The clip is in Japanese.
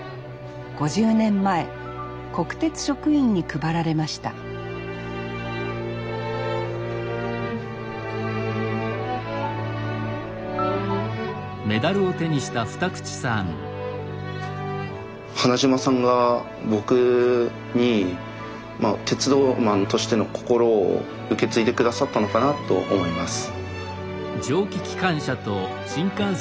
５０年前国鉄職員に配られました花島さんが僕に鉄道マンとしての心を受け継いで下さったのかなと思います。